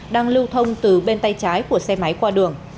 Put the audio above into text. đang lưu thông từ bên tay trái của xe máy qua đường